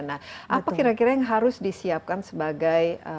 nah apa kira kira yang harus disiapkan sebagai